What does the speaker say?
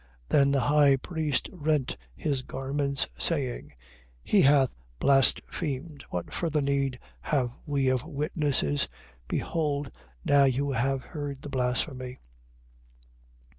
26:65. Then the high priest rent his garments, saying: He hath blasphemed: What further need have we of witnesses? Behold, now you have heard the blasphemy.